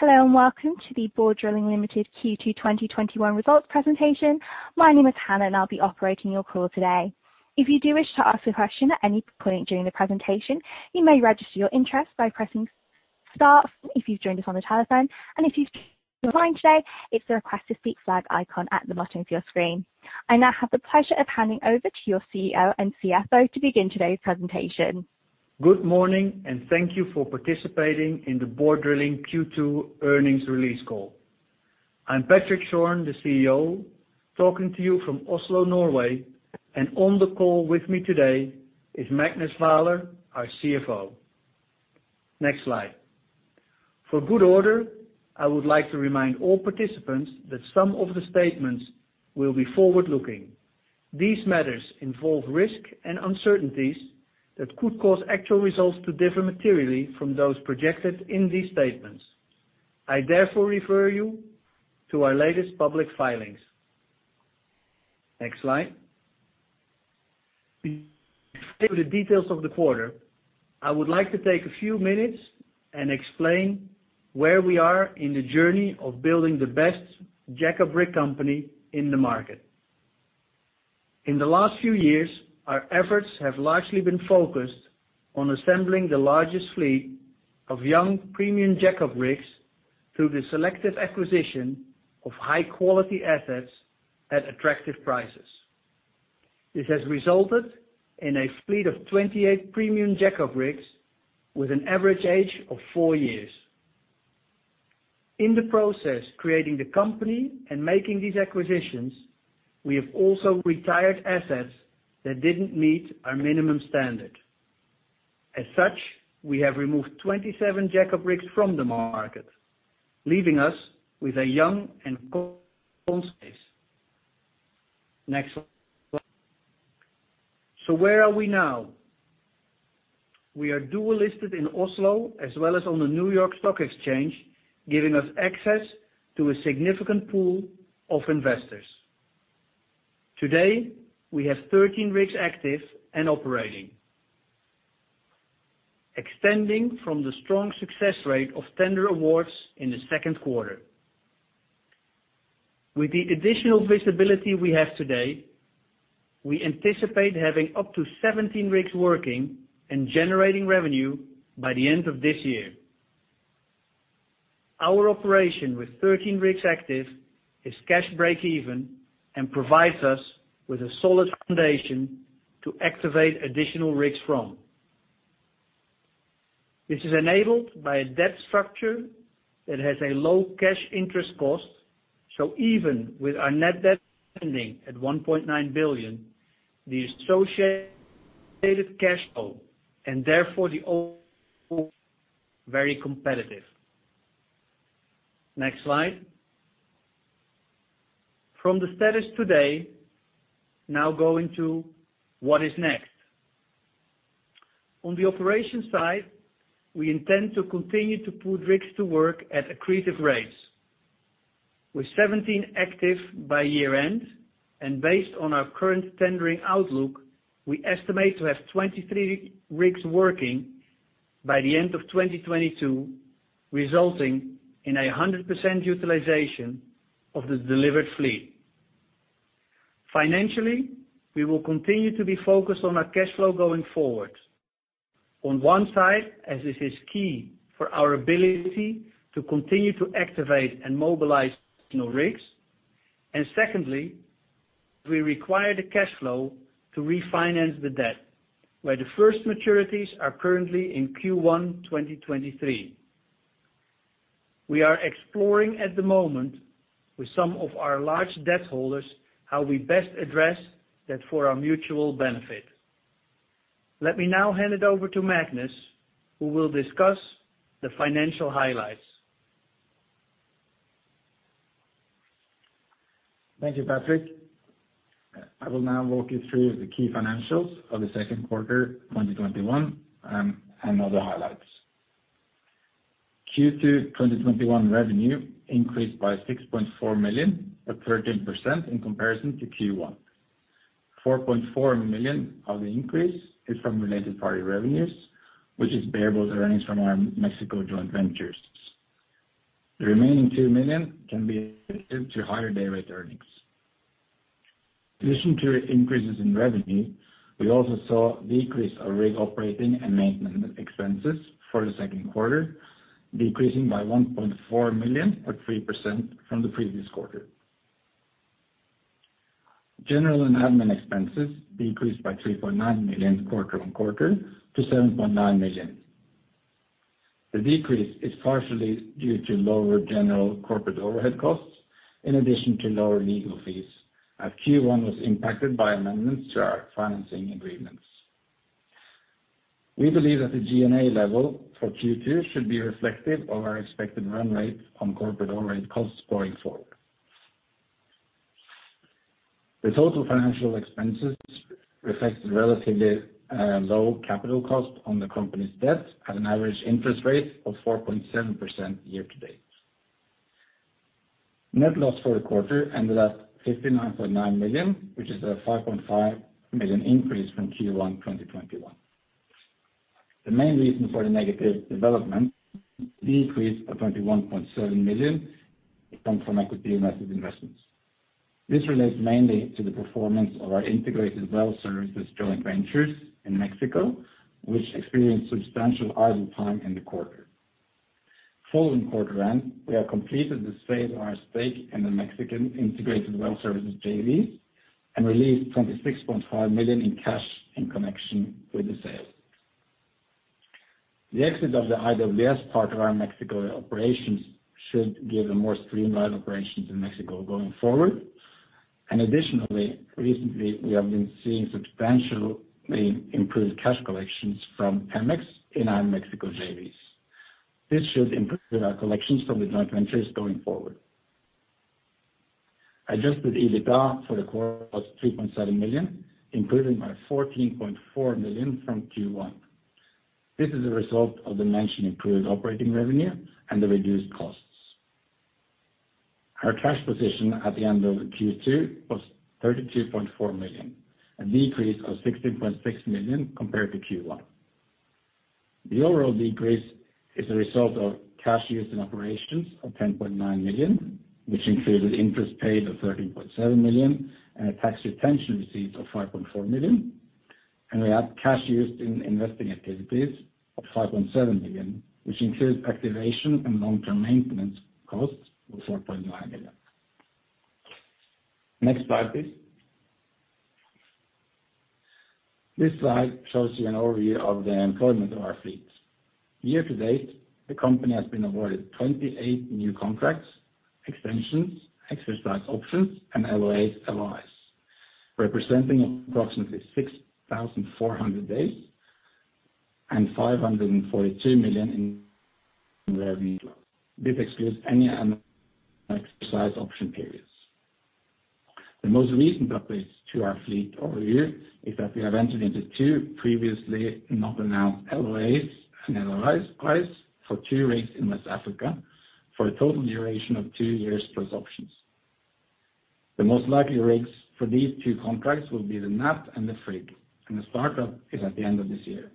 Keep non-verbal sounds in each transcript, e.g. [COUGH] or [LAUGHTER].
Hello, and welcome to the Borr Drilling Limited Q2 2021 results presentation. My name is Hannah, and I'll be operating your call today. If you do wish to ask a question at any point during the presentation, you may register your interest by pressing star if you've joined us on the telephone. If you've joined online today, it's the Request to Speak flag icon at the bottom of your screen. I now have the pleasure of handing over to your CEO and CFO to begin today's presentation. Good morning, thank you for participating in the Borr Drilling Q2 earnings release call. I'm Patrick Schorn, the CEO, talking to you from Oslo, Norway. On the call with me today is Magnus Vaaler, our CFO. Next slide. For good order, I would like to remind all participants that some of the statements will be forward-looking. These matters involve risk and uncertainties that could cause actual results to differ materially from those projected in these statements. I therefore refer you to our latest public filings. Next slide. Before I give the details of the quarter, I would like to take a few minutes and explain where we are in the journey of building the best jack-up rig company in the market. In the last few years, our efforts have largely been focused on assembling the largest fleet of young premium jack-up rigs through the selective acquisition of high-quality assets at attractive prices. This has resulted in a fleet of 28 premium jack-up rigs with an average age of four years. In the process, creating the company and making these acquisitions, we have also retired assets that didn't meet our minimum standard. As such, we have removed 27 jack-up rigs from the market, leaving us with a young and. [AUDIO DISTORTION] Next slide. Where are we now? We are dual listed in Oslo as well as on the New York Stock Exchange, giving us access to a significant pool of investors. Today, we have 13 rigs active and operating, extending from the strong success rate of tender awards in the second quarter. With the additional visibility we have today, we anticipate having up to 17 rigs working and generating revenue by the end of this year. Our operation with 13 rigs active is cash breakeven and provides us with a solid foundation to activate additional rigs from. This is enabled by a debt structure that has a low cash interest cost, even with our net debt standing at $1.9 billion, the associated cash flow, and therefore the very competitive. Next slide. From the status today, now going to what is next. On the operations side, we intend to continue to put rigs to work at accretive rates. With 17 active by year-end, and based on our current tendering outlook, we estimate to have 23 rigs working by the end of 2022, resulting in 100% utilization of the delivered fleet. Financially, we will continue to be focused on our cash flow going forward. On one side, as this is key for our ability to continue to activate and mobilize new rigs. Secondly, we require the cash flow to refinance the debt, where the first maturities are currently in Q1 2023. We are exploring at the moment with some of our large debt holders how we best address that for our mutual benefit. Let me now hand it over to Magnus, who will discuss the financial highlights. Thank you, Patrick. I will now walk you through the key financials of the second quarter 2021, and other highlights. Q2 2021 revenue increased by $6.4 million, or 13% in comparison to Q1. $4.4 million of the increase is from related party revenues, which is bareboat earnings from our Mexico joint ventures. The remaining $2 million can be attributed to higher day rate earnings. In addition to increases in revenue, we also saw a decrease of rig operating and maintenance expenses for the second quarter, decreasing by $1.4 million, or 3% from the previous quarter. General and admin expenses decreased by $3.9 million quarter-on-quarter to $7.9 million. The decrease is partially due to lower general corporate overhead costs, in addition to lower legal fees, as Q1 was impacted by amendments to our financing agreements. We believe that the G&A level for Q2 should be reflective of our expected run rate on corporate overhead costs going forward. The total financial expenses reflect the relatively low capital cost on the company's debt at an average interest rate of 4.7% year-to-date. Net loss for the quarter ended at $59.9 million, which is a $5.5 million increase from Q1 2021. The main reason for the negative development, decrease of $21.7 million comes from equity-method investments. This relates mainly to the performance of our Integrated Well Services joint ventures in Mexico, which experienced substantial idle time in the quarter. Following quarter end, we have completed the sale of our stake in the Mexican Integrated Well Services JV, and released $26.5 million in cash in connection with the sale. The exit of the IWS part of our Mexico operations should give a more streamlined operations in Mexico going forward. Additionally, recently, we have been seeing substantially improved cash collections from Pemex in our Mexico JVs. This should improve our collections from the joint ventures going forward. Adjusted EBITDA for the quarter was $3.7 million, improving by $14.4 million from Q1. This is a result of the mentioned improved operating revenue and the reduced costs. Our cash position at the end of Q2 was $32.4 million, a decrease of $16.6 million compared to Q1. The overall decrease is a result of cash used in operations of $10.9 million, which included interest paid of $13.7 million, and a tax retention receipt of $5.4 million, and we have cash used in investing activities of $5.7 million, which includes activation and long-term maintenance costs of $4.9 million. Next slide, please. This slide shows you an overview of the employment of our fleet. Year to date, the company has been awarded 28 new contracts, extensions, exercise options, and LOAs/LOIs, representing approximately 6,400 days and $542 million in revenue. This excludes any exercise option periods. The most recent updates to our fleet over here is that we have entered into two previously not announced LOAs and LOIs for two rigs in West Africa for a total duration of two years plus options. The most likely rigs for these two contracts will be the Natt and the Frigg, and the startup is at the end of this year.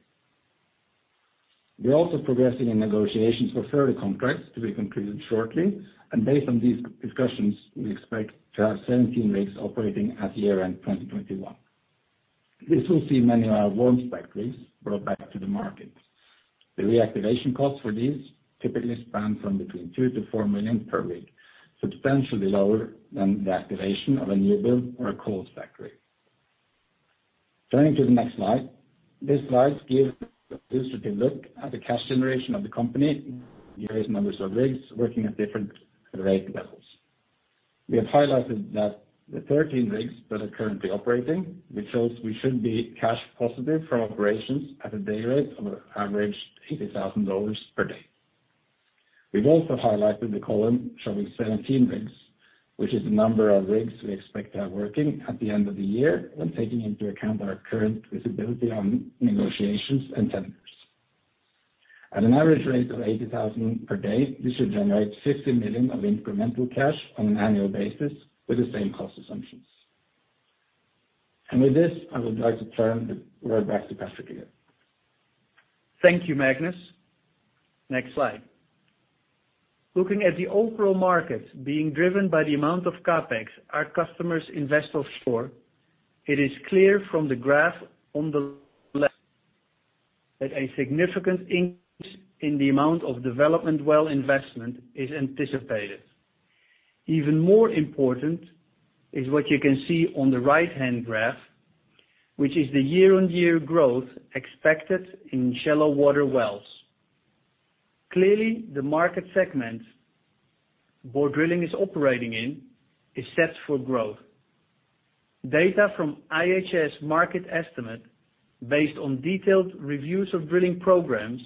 We're also progressing in negotiations for further contracts to be concluded shortly, and based on these discussions, we expect to have 17 rigs operating at year-end 2021. This will see many of our warm stack rigs brought back to the market. The reactivation costs for these typically span from between $2 million-$4 million per rig, substantially lower than the activation of a new build or a cold stack rig. Turning to the next slide. This slide gives a illustrative look at the cash generation of the company based on numbers of rigs working at different rate levels. We have highlighted that the 13 rigs that are currently operating, which shows we should be cash positive from operations at a day rate of an average $80,000 per day. We've also highlighted the column showing 17 rigs, which is the number of rigs we expect are working at the end of the year when taking into account our current visibility on negotiations and tenders. At an average rate of $80,000 per day, this should generate $60 million of incremental cash on an annual basis with the same cost assumptions. With this, I would like to turn the floor back to Patrick. Thank you, Magnus. Next slide. Looking at the overall market being driven by the amount of CapEx our customers invest offshore, it is clear from the graph on the left that a significant increase in the amount of development well investment is anticipated. Even more important is what you can see on the right-hand graph, which is the year-on-year growth expected in shallow water wells. Clearly, the market segment Borr Drilling is operating in is set for growth. Data from IHS Markit estimate, based on detailed reviews of drilling programs,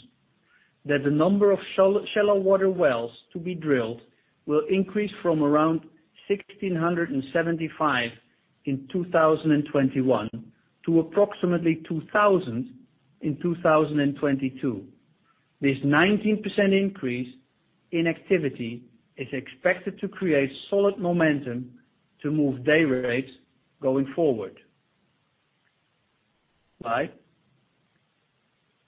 that the number of shallow water wells to be drilled will increase from around 1,675 in 2021 to approximately 2,000 in 2022. This 19% increase in activity is expected to create solid momentum to move day rates going forward. Slide.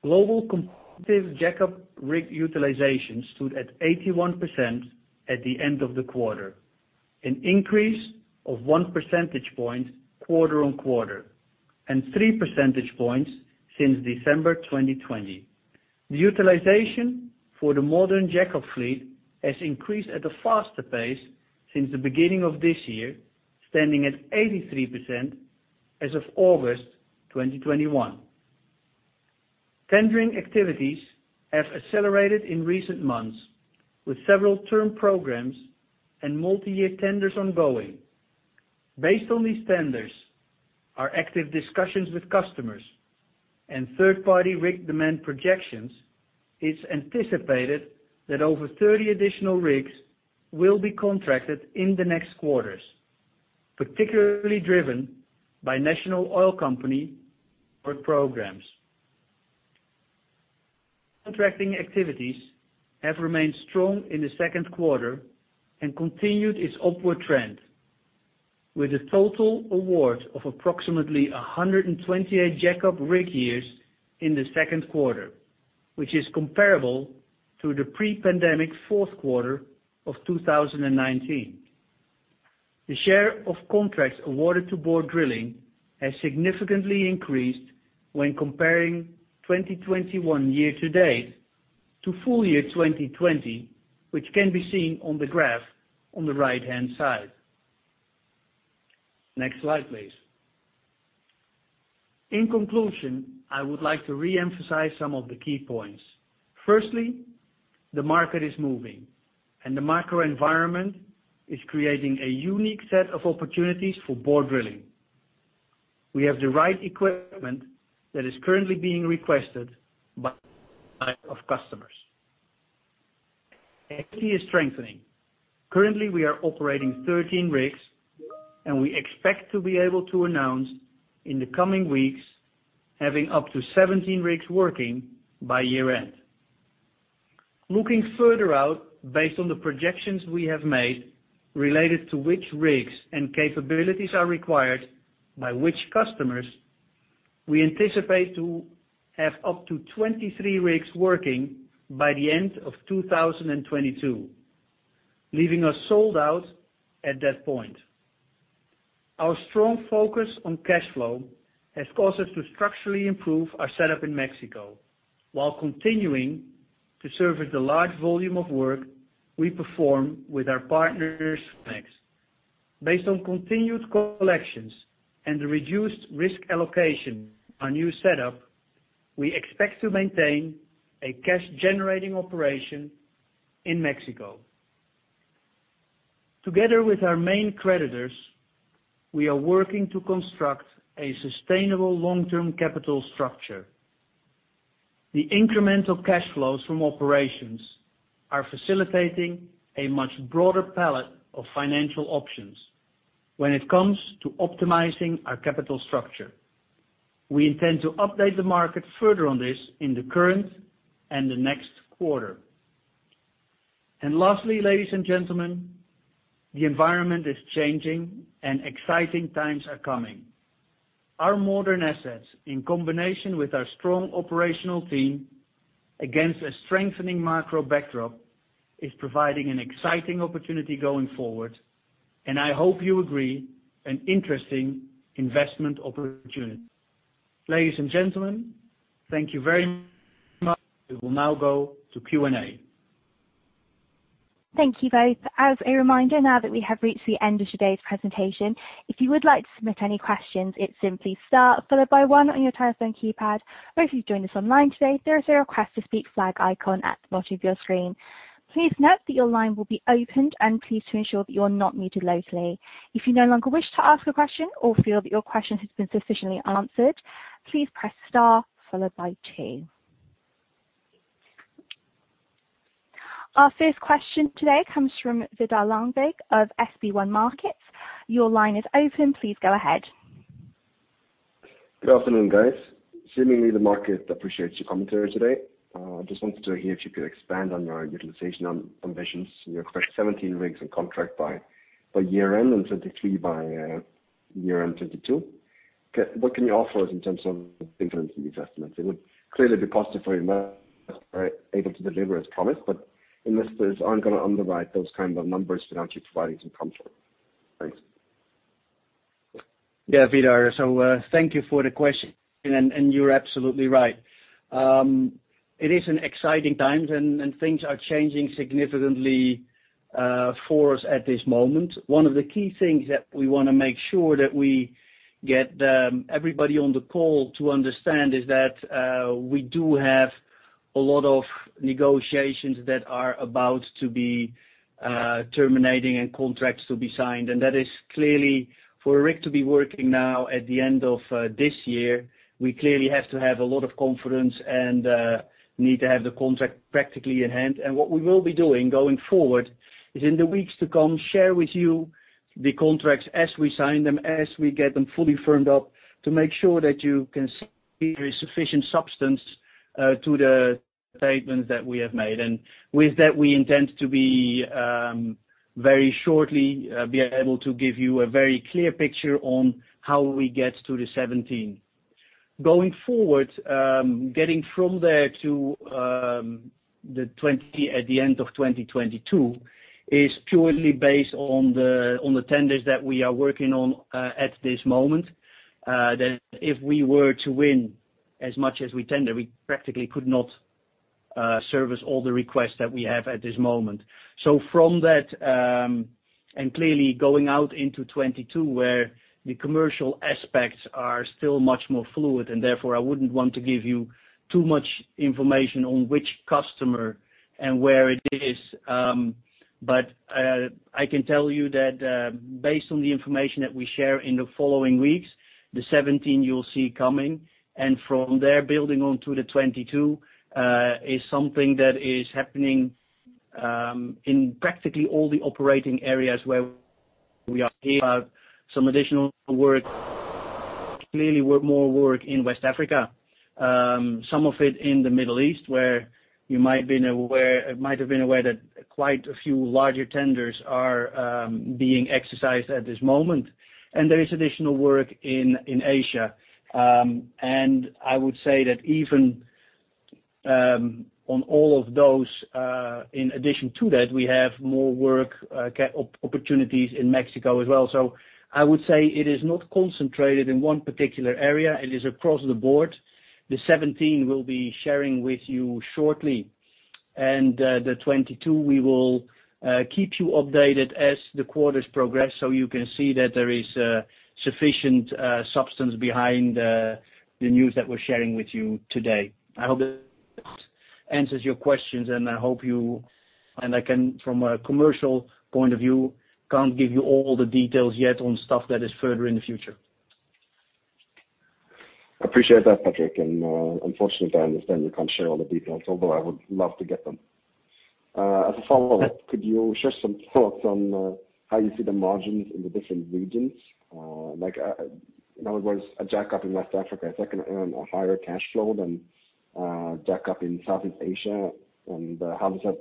Global competitive jack-up rig utilization stood at 81% at the end of the quarter, an increase of 1 percentage point quarter-on-quarter, and 3 percentage points since December 2020. The utilization for the modern jack-up fleet has increased at a faster pace since the beginning of this year, standing at 83% as of August 2021. Tendering activities have accelerated in recent months with several term programs and multi-year tenders ongoing. Based on these tenders, our active discussions with customers, and third-party rig demand projections, it's anticipated that over 30 additional rigs will be contracted in the next quarters, particularly driven by national oil company work programs. Contracting activities have remained strong in the second quarter and continued its upward trend, with a total award of approximately 128 jack-up rig years in the second quarter, which is comparable to the pre-pandemic fourth quarter of 2019. The share of contracts awarded to Borr Drilling has significantly increased when comparing 2021 year-to-date to full year 2020, which can be seen on the graph on the right-hand side. Next slide, please. In conclusion, I would like to reemphasize some of the key points. Firstly, the market is moving, and the microenvironment is creating a unique set of opportunities for Borr Drilling. We have the right equipment that is currently being requested by customers. Activity is strengthening. Currently, we are operating 13 rigs, and we expect to be able to announce in the coming weeks having up to 17 rigs working by year-end. Looking further out, based on the projections we have made related to which rigs and capabilities are required by which customers, we anticipate to have up to 23 rigs working by the end of 2022, leaving us sold out at that point. Our strong focus on cash flow has caused us to structurally improve our setup in Mexico while continuing to service the large volume of work we perform with our partners, Pemex. Based on continued collections and the reduced risk allocation, our new setup, we expect to maintain a cash-generating operation in Mexico. Together with our main creditors, we are working to construct a sustainable long-term capital structure. The incremental cash flows from operations are facilitating a much broader palette of financial options when it comes to optimizing our capital structure. We intend to update the market further on this in the current and the next quarter. Lastly, ladies and gentlemen, the environment is changing, and exciting times are coming. Our modern assets, in combination with our strong operational team against a strengthening macro backdrop, is providing an exciting opportunity going forward, and I hope you agree, an interesting investment opportunity. Ladies and gentlemen, thank you very much. We will now go to Q&A. Thank you both. As a reminder now that we have reached the end of today's presentation, if you would like to submit any questions, it's simply star followed by one on your telephone keypad. If you've joined us online today, there is a Request to Speak flag icon at the bottom of your screen. Please note that your line will be opened, and please ensure that you are not muted locally. If you no longer wish to ask a question or feel that your question has been sufficiently answered, please press star followed by two. Our first question today comes from Vidar Lyngvær of SB1 Markets. Your line is open. Please go ahead. Good afternoon, guys. Seemingly, the market appreciates your commentary today. I just wanted to hear if you could expand on your utilization ambitions, your 17 rigs and contract by year-end and 23 by year-end 2022. What can you offer us in terms of increments in these estimates? It would clearly be positive for investors, able to deliver as promised, but investors aren't going to underwrite those kind of numbers without you providing some comfort. Thanks. Yeah, Vidar. Thank you for the question, and you're absolutely right. It is an exciting time, and things are changing significantly for us at this moment. One of the key things that we want to make sure that we get everybody on the call to understand is that we do have a lot of negotiations that are about to be terminating and contracts to be signed, and that is clearly for a rig to be working now at the end of this year, we clearly have to have a lot of confidence, and need to have the contract practically in hand. What we will be doing going forward is in the weeks to come, share with you the contracts as we sign them, as we get them fully firmed up to make sure that you can see sufficient substance to the statements that we have made. With that, we intend to be, very shortly, be able to give you a very clear picture on how we get to the 17. Going forward, getting from there to the 20 at the end of 2022 is purely based on the tenders that we are working on at this moment. If we were to win as much as we tender, we practically could not service all the requests that we have at this moment. From that, and clearly going out into 2022, where the commercial aspects are still much more fluid, and therefore, I wouldn't want to give you too much information on which customer and where it is. I can tell you that, based on the information that we share in the following weeks, the 17 you'll see coming, and from there, building on to the 22, is something that is happening in practically all the operating areas where we have some additional work. Clearly more work in West Africa. Some of it in the Middle East, where you might have been aware that quite a few larger tenders are being exercised at this moment, and there is additional work in Asia. I would say that even on all of those, in addition to that, we have more work opportunities in Mexico as well. I would say it is not concentrated in one particular area. It is across the board. The 17 we'll be sharing with you shortly, and the 22 we will keep you updated as the quarters progress so you can see that there is sufficient substance behind the news that we're sharing with you today. I hope that answers your questions, and I can, from a commercial point of view, can't give you all the details yet on stuff that is further in the future. Appreciate that, Patrick, unfortunately, I understand you can't share all the details, although I would love to get them. As a follow-up, could you share some thoughts on how you see the margins in the different regions? In other words, a jack-up in West Africa, is that going to earn a higher cash flow than a jack-up in Southeast Asia? How does that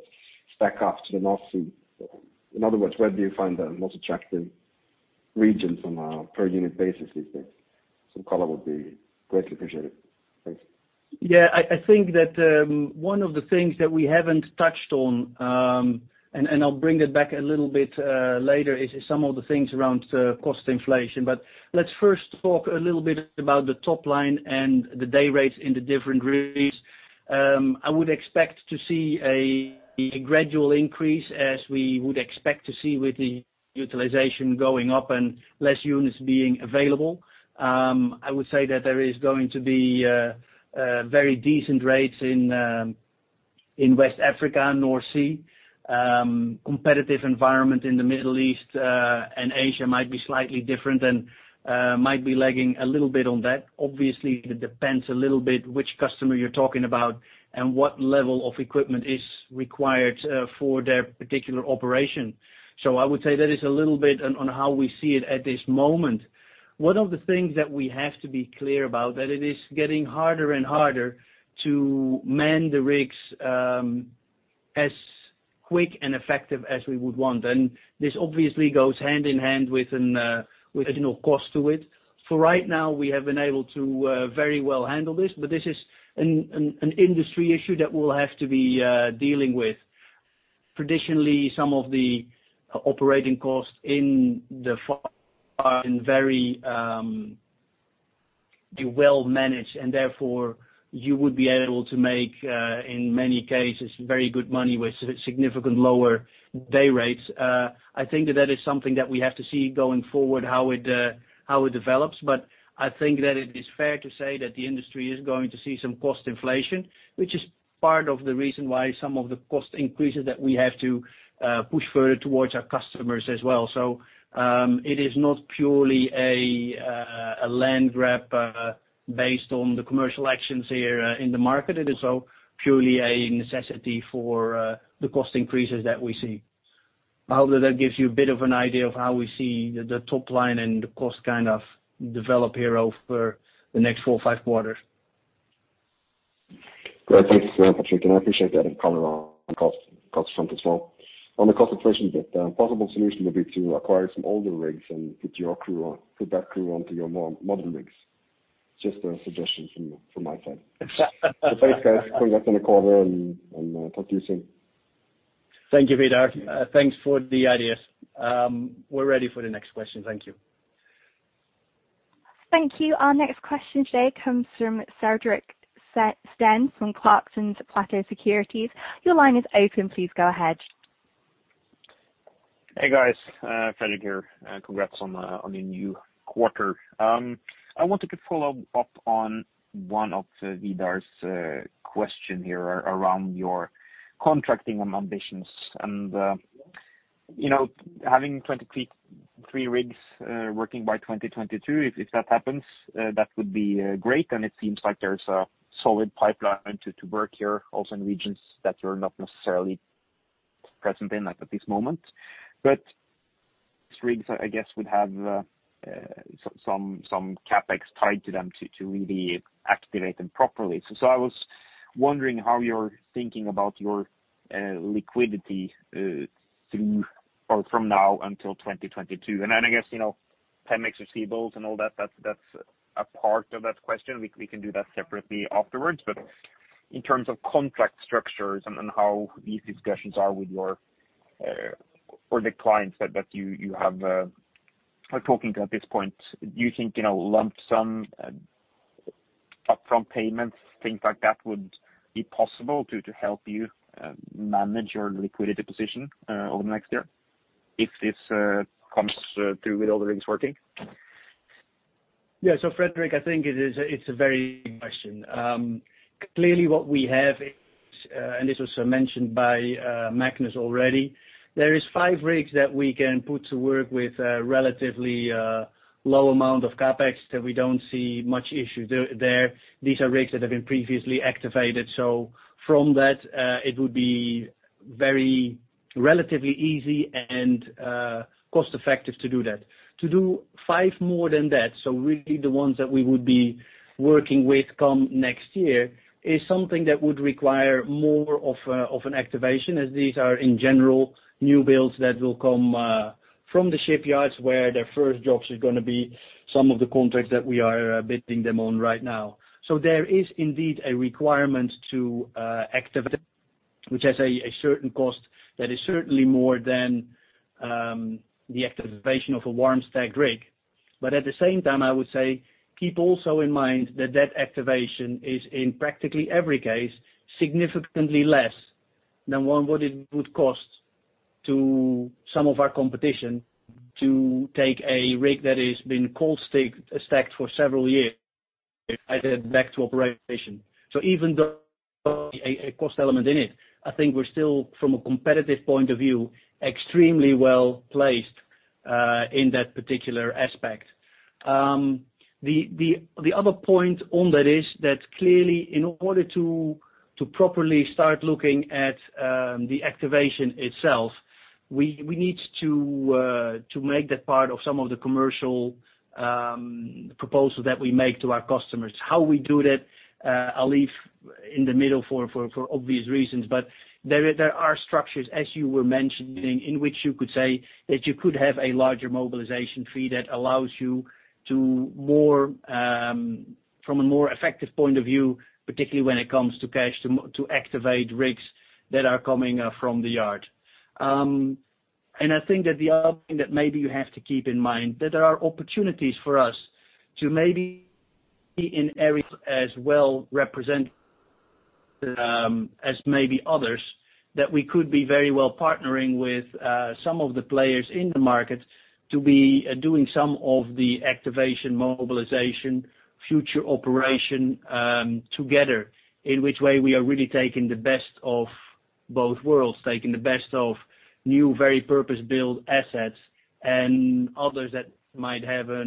stack up to the North Sea? In other words, where do you find the most attractive region from a per unit basis these days? Some color would be greatly appreciated. Thanks. Yeah, I think that one of the things that we haven't touched on, and I'll bring that back a little bit later, is some of the things around cost inflation. Let's first talk a little bit about the top line and the day rates in the different rigs. I would expect to see a gradual increase as we would expect to see with the utilization going up and less units being available. I would say that there is going to be very decent rates in West Africa and North Sea. Competitive environment in the Middle East, and Asia might be slightly different and might be lagging a little bit on that. Obviously, it depends a little bit which customer you're talking about and what level of equipment is required for their particular operation. I would say that is a little bit on how we see it at this moment. One of the things that we have to be clear about, that it is getting harder and harder to man the rigs, as quick and effective as we would want. This obviously goes hand in hand with There's no cost to it. For right now, we have been able to very well handle this, but this is an industry issue that we'll have to be dealing with. Traditionally, some of the operating costs in the [AUDIO DISTORTION] very well managed, and therefore you would be able to make, in many cases, very good money with significant lower day rates. I think that is something that we have to see going forward, how it develops. I think that it is fair to say that the industry is going to see some cost inflation, which is part of the reason why some of the cost increases that we have to push further towards our customers as well. It is not purely a land grab, based on the commercial actions here in the market. It is also purely a necessity for the cost increases that we see. Hopefully, that gives you a bit of an idea of how we see the top line and the cost kind of develop here over the next four, five quarters. Great. Thanks, Patrick, and I appreciate that color on cost front as well. On the cost inflation bit, possible solution would be to acquire some older rigs and put your crew on, put that crew onto your more modern rigs. Just a suggestion from my side. Thanks, guys. Congrats on the quarter and talk to you soon. Thank you, Vidar. Thanks for the ideas. We're ready for the next question. Thank you. Thank you. Our next question today comes from Fredrik Stene from Clarksons Platou Securities. Your line is open. Please go ahead. Hey, guys. Fredrik Stene here. Congrats on the new quarter. I wanted to follow up on one of Vidar's question here around your contracting ambitions. Having 23 rigs working by 2022, if that happens, that would be great. It seems like there's a solid pipeline to work here, also in regions that you're not necessarily present in, like at this moment. These rigs, I guess, would have some CapEx tied to them to really activate them properly. I was wondering how you're thinking about your liquidity from now until 2022. I guess, CapEx receivables and all that's a part of that question. We can do that separately afterwards, in terms of contract structures and how these discussions are with the clients that you have talking to at this point, do you think lump sum upfront payments, things like that would be possible to help you manage your liquidity position over the next year if this comes through with all the rigs working? Yeah. Fredrik Stene, I think it's a very good question. Clearly what we have is, and this was mentioned by Magnus already, there is five rigs that we can put to work with a relatively low amount of CapEx that we don't see much issue there. These are rigs that have been previously activated, from that, it would be very relatively easy and cost-effective to do that. To do five more than that, really the ones that we would be working with come next year, is something that would require more of an activation, as these are in general new builds that will come from the shipyards where their first jobs are going to be some of the contracts that we are bidding them on right now. There is indeed a requirement to activate, which has a certain cost that is certainly more than the activation of a warm stacked rig. At the same time, I would say, keep also in mind that that activation is, in practically every case, significantly less than what it would cost to some of our competition to take a rig that has been cold stacked for several years and get it back to operation. Even though a cost element in it, I think we're still, from a competitive point of view, extremely well-placed in that particular aspect. The other point on that is that clearly, in order to properly start looking at the activation itself, we need to make that part of some of the commercial proposals that we make to our customers. How we do that, I'll leave in the middle for obvious reasons. There are structures, as you were mentioning, in which you could say that you could have a larger mobilization fee that allows you, from a more effective point of view, particularly when it comes to cash, to activate rigs that are coming from the yard. I think that the other thing that maybe you have to keep in mind, that there are opportunities for us to maybe in areas as well represent as maybe others, that we could be very well partnering with some of the players in the market to be doing some of the activation, mobilization, future operation together. In which way we are really taking the best of both worlds, taking the best of new, very purpose-built assets and others that might have a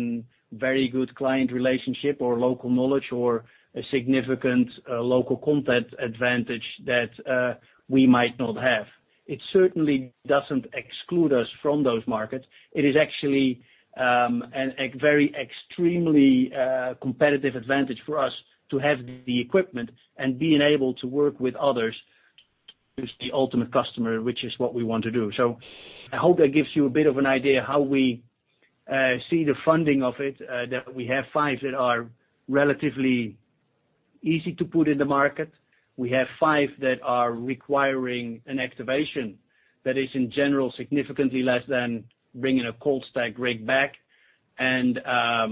very good client relationship or local knowledge or a significant local content advantage that we might not have. It certainly doesn't exclude us from those markets. It is actually a very extremely competitive advantage for us to have the equipment and being able to work with others who's the ultimate customer, which is what we want to do. I hope that gives you a bit of an idea how we see the funding of it, that we have five that are relatively easy to put in the market. We have five that are requiring an activation that is, in general, significantly less than bringing a cold stacked rig back. I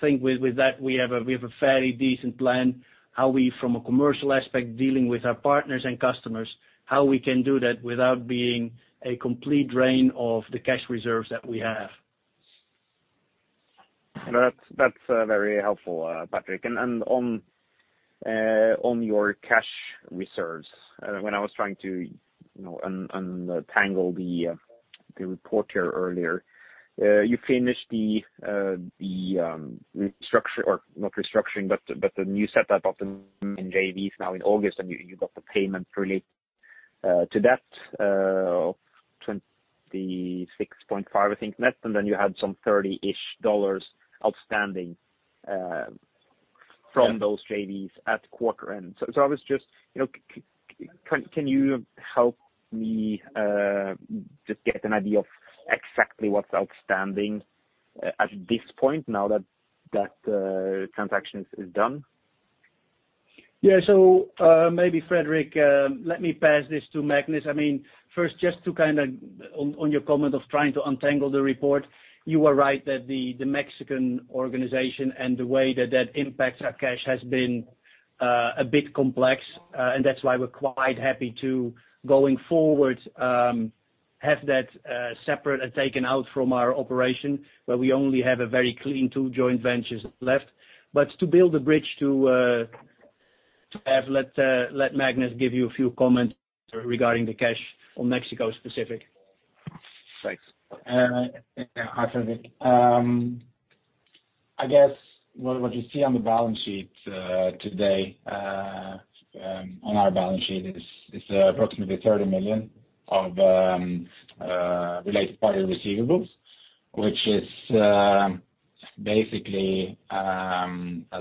think with that, we have a fairly decent plan how we, from a commercial aspect, dealing with our partners and customers, how we can do that without being a complete drain of the cash reserves that we have. That's very helpful, Patrick. On your cash reserves, when I was trying to untangle the report here earlier, you finished the restructuring, or not restructuring, but the new setup of the JVs now in August, and you got the payment related to that of $26.5 million, I think, net, and then you had some $30-ish million outstanding from those JVs at quarter end. I was just, can you help me just get an idea of exactly what's outstanding at this point now that transaction is done? Yeah. Maybe, Fredrik, let me pass this to Magnus. First, just to on your comment of trying to untangle the report, you are right that the Mexican organization and the way that that impacts our cash has been a bit complex. That's why we're quite happy to, going forward, have that separate and taken out from our operation, where we only have a very clean two joint ventures left. To build a bridge to that, let Magnus give you a few comments regarding the cash on Mexico specific. Thanks. Hi, Fredrik. I guess what you see on the balance sheet today, on our balance sheet, is approximately $30 million of related party receivables, which is basically a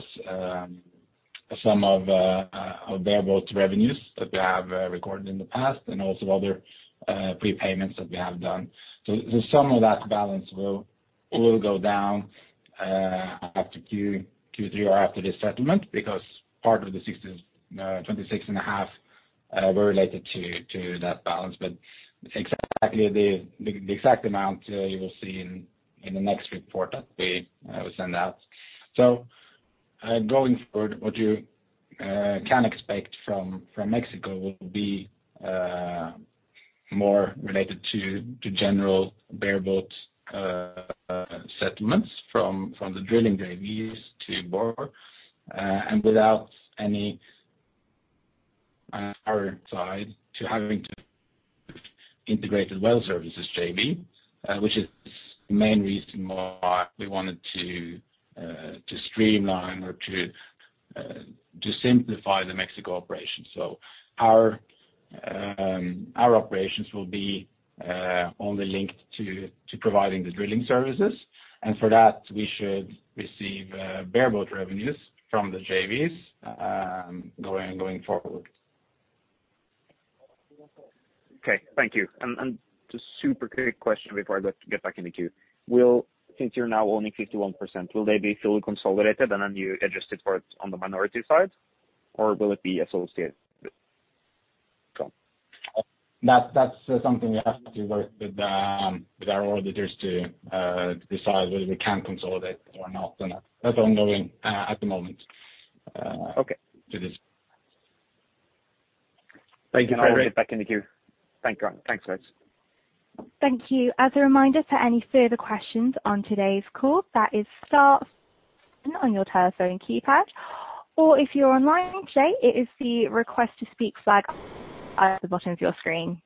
sum of bareboat revenues that we have recorded in the past and also other prepayments that we have done. The sum of that balance will go down after Q3 or after this settlement, because part of the $26.5 million were related to that balance. The exact amount you will see in the next report that we will send out. Going forward, what you can expect from Mexico will be more related to general bareboat settlements from the drilling JVs to Borr, and without any our side to having to Integrated Well Services JV, which is the main reason why we wanted to streamline or to simplify the Mexico operation. Our operations will be only linked to providing the drilling services. For that, we should receive bareboat revenues from the JVs going forward. Okay. Thank you. Just super quick question before I get back in the queue. Since you're now owning 51%, will they be fully consolidated and then you adjust it for it on the minority side? Or will it be associated? That's something we have to work with our auditors to decide whether we can consolidate or not. That's ongoing at the moment- Okay.... to this. I'll get back in the queue. Thanks, guys. Thank you. As a reminder, for any further questions on today's call, that is star one on your telephone keypad. Or if you're online today, it is the request to speak flag at the bottom of your screen.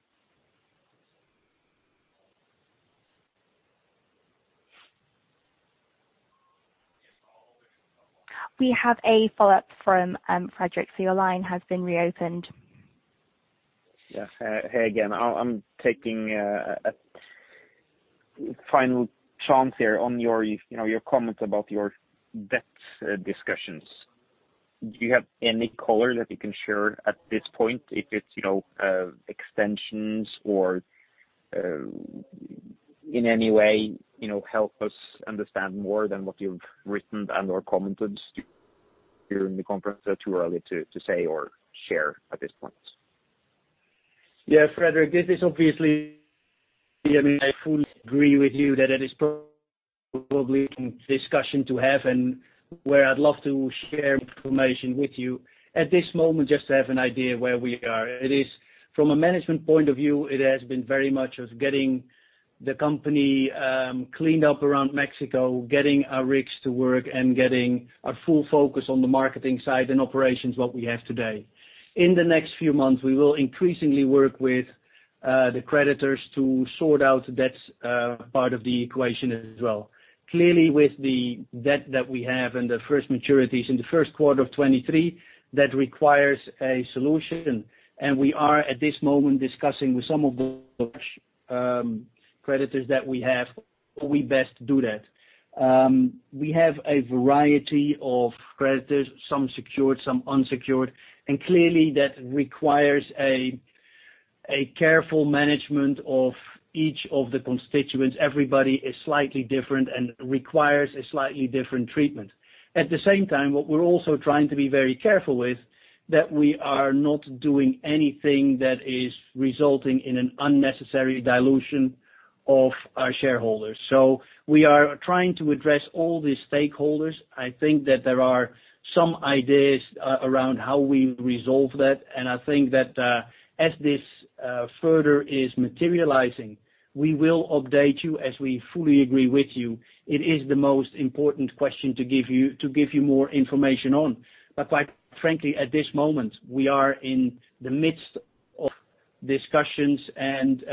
We have a follow-up from Fredrik Stene, so your line has been reopened. Yes. Hey again. I'm taking a final chance here on your comment about your debt discussions. Do you have any color that you can share at this point, if it's extensions or in any way, help us understand more than what you've written and/or commented during the conference that are too early to say or share at this point? Yeah, Fredrik, this is obviously, I fully agree with you that it is probably discussion to have and where I'd love to share information with you. At this moment, just to have an idea where we are. From a management point of view, it has been very much of getting the company cleaned up around Mexico, getting our rigs to work, and getting a full focus on the marketing side and operations, what we have today. In the next few months, we will increasingly work with the creditors to sort out debts part of the equation as well. Clearly, with the debt that we have and the first maturities in the first quarter of 2023, that requires a solution. We are, at this moment, discussing with some of those creditors that we have, how we best do that. We have a variety of creditors, some secured, some unsecured, and clearly that requires a careful management of each of the constituents. Everybody is slightly different and requires a slightly different treatment. At the same time, what we're also trying to be very careful with, that we are not doing anything that is resulting in an unnecessary dilution of our shareholders. We are trying to address all the stakeholders. I think that there are some ideas around how we resolve that, and I think that as this further is materializing, we will update you as we fully agree with you. It is the most important question to give you more information on. Quite frankly, at this moment, we are in the midst of discussions and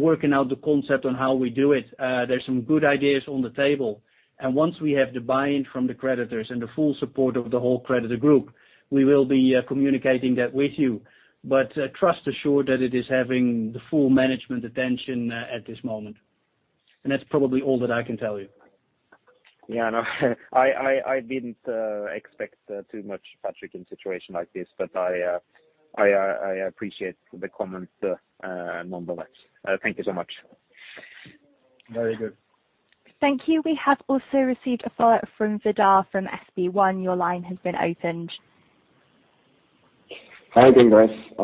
working out the concept on how we do it. There's some good ideas on the table. Once we have the buy-in from the creditors and the full support of the whole creditor group, we will be communicating that with you. Rest assured that it is having the full management attention at this moment. That's probably all that I can tell you. Yeah, I know. I didn't expect too much, Patrick, in situation like this, but I appreciate the comment nonetheless. Thank you so much. Very good. Thank you. We have also received a follow-up from Vidar from SB1. Your line has been opened. Hi again, guys. I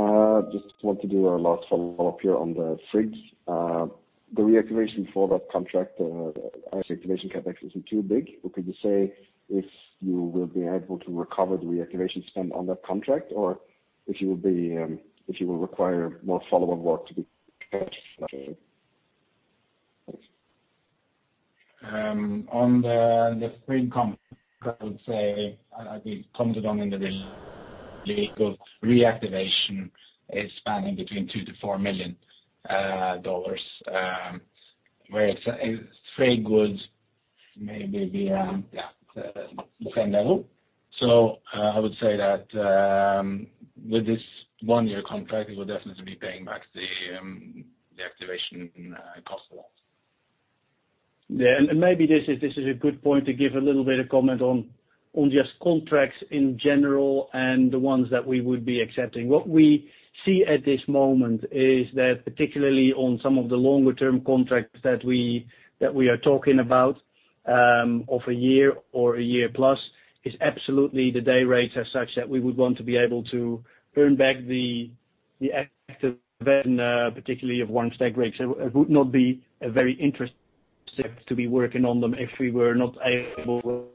want to do a last follow-up here on the Frigg. The reactivation for that contract, as activation CapEx isn't too big, could you say if you will be able to recover the reactivation spend on that contract or if you will require more follow-up work to be? Thanks. On the Frigg contract, I would say, I think it comes along in the rig reactivation. It's spanning between $2 million-$4 million, where Frigg would maybe be the same level. I would say that with this one-year contract, we will definitely be paying back the activation cost. Yeah. Maybe this is a good point to give a little bit of comment on just contracts in general and the ones that we would be accepting. What we see at this moment is that, particularly on some of the longer-term contracts that we are talking about, of a year or a year plus, is absolutely the day rates are such that we would want to be able to earn back the activation, particularly of one stack rigs. It would not be a very interesting step to be working on them if we were not able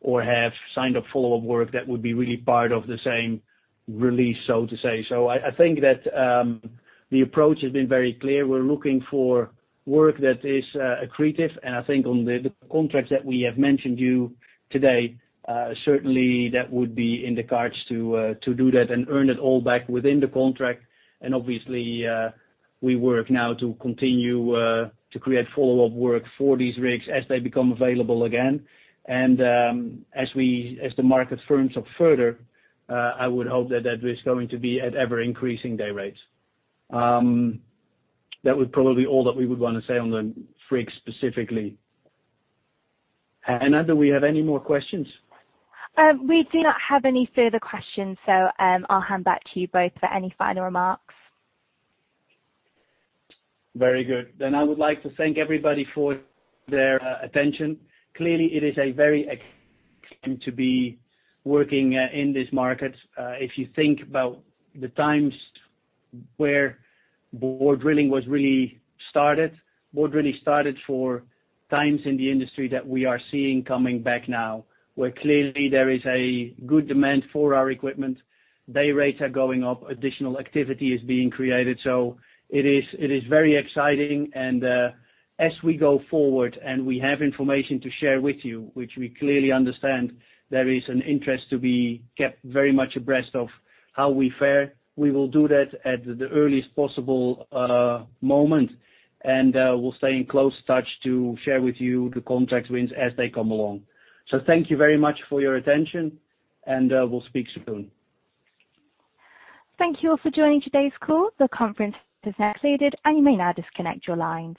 or have signed up follow-up work that would be really part of the same release, so to say. I think that the approach has been very clear. We're looking for work that is accretive, and I think on the contracts that we have mentioned you today, certainly that would be in the cards to do that and earn it all back within the contract, and obviously, we work now to continue to create follow-up work for these rigs as they become available again. As the market firms up further, I would hope that that is going to be at ever-increasing day rates. That was probably all that we would want to say on the Frigg specifically. Hannah, do we have any more questions? We do not have any further questions. I'll hand back to you both for any final remarks. I would like to thank everybody for their attention. Clearly, it is a very exciting time to be working in this market. If you think about the times where Borr Drilling was really started, Borr Drilling started for times in the industry that we are seeing coming back now, where clearly there is a good demand for our equipment. Day rates are going up, additional activity is being created. It is very exciting, and as we go forward and we have information to share with you, which we clearly understand there is an interest to be kept very much abreast of how we fare. We will do that at the earliest possible moment, and we'll stay in close touch to share with you the contract wins as they come along. Thank you very much for your attention, and we'll speak soon. Thank you all for joining today's call. The conference has now concluded, and you may now disconnect your lines.